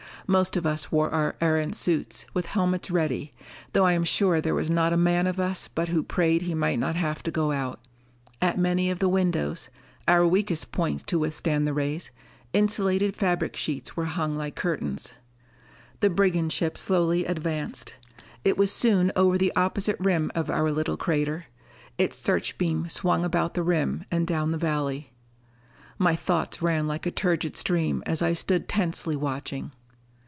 Most of us wore our Erentz suits, with helmets ready, though I am sure there was not a man of us but who prayed he might not have to go out. At many of the windows our weakest points to withstand the rays insulated fabric sheets were hung like curtains. The brigand ship slowly advanced. It was soon over the opposite rim of our little crater. Its searchbeam swung about the rim and down the valley. My thoughts ran like a turgid stream as I stood tensely watching.